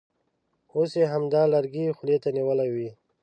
اوس یې همدا لرګی خولې ته نیولی وي.